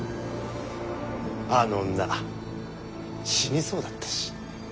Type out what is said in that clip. あの女死にそうだったし。